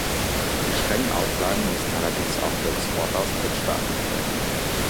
Die strengen Auflagen müssen allerdings auch für Exporte aus Drittstaaten gelten.